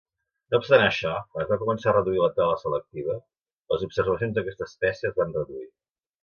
No obstant això, quan es va començar a reduir la tala selectiva, les observacions d'aquesta espècie es van reduir.